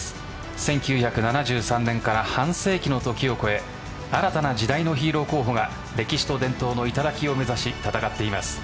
１９７３年から半世紀の時を超え新たな時代のヒーロー候補たちが歴史と伝統の頂を目指し戦っています。